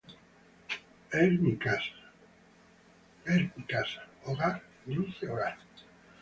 es mi casa. hogar, dulce hogar.